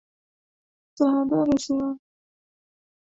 Tahadhari Usiwahi kumchinja mnyama unayemshuku alikufa kutokana na kimeta